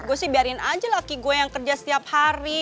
gue sih biarin aja laki gue yang kerja setiap hari